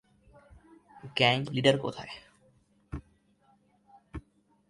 Gang leader কোথায়?